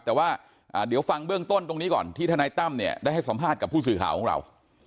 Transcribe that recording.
แต่ว่าเดี๋ยวฟังเบื้องต้นตรงนี้ก่อนที่ทนายตั้มเนี่ยได้ให้สัมภาษณ์กับผู้สื่อข่าวของเรา